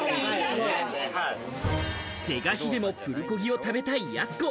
是が非でもプルコギを食べたい、やす子。